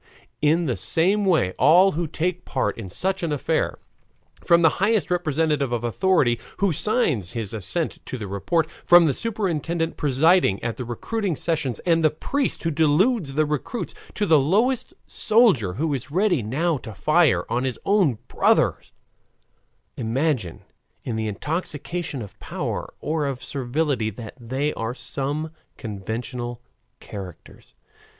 In the same way all who take part in such an affair, from the highest representative of authority who signs his assent to the report, from the superintendent presiding at the recruiting sessions, and the priest who deludes the recruits, to the lowest soldier who is ready now to fire on his own brothers, imagine, in the intoxication of power or of servility, that they are some conventional characters.